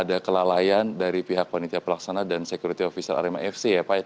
ada kelalaian dari pihak panitia pelaksana dan security official arema fc ya pak